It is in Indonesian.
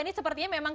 ini sepertinya memang